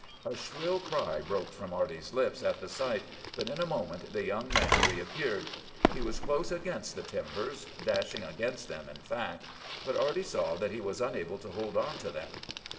"A shrill cry broke from Arty's lips at the sight, but in a moment the young man reappeared. He was close against the timbers—dashing against them, in fact; but Arty saw that he was unable to hold on to them.